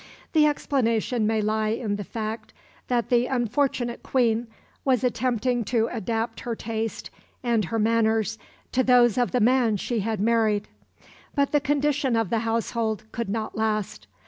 The explanation may lie in the fact that the unfortunate Queen was attempting to adapt her taste and her manners to those of the man she had married. But the condition of the household could not last.